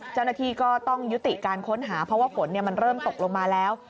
เจ้าหน้าที่ก็ต้องยุติการค้นหาเพราะว่าฝนมันเริ่มตกลงมาแล้ว